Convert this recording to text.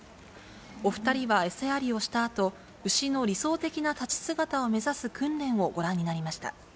お２人は餌やりをしたあと、牛の理想的な立ち姿を目指す訓練をご覧になりました。